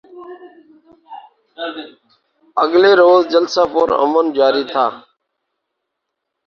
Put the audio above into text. گلے روز جلسہ پر امن جاری تھا